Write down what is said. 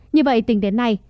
như vậy tỉnh đến nay